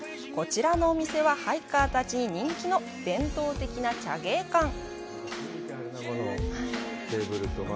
こちらのお店は、ハイカーたちに人気の伝統的な茶芸館。